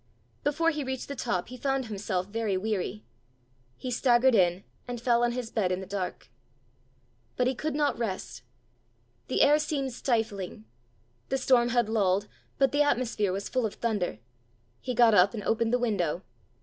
Before he reached the top he found himself very weary. He staggered in, and fell on his bed in the dark. But he could not rest. The air seemed stifling. The storm had lulled, but the atmosphere was full of thunder. He got up and opened the window.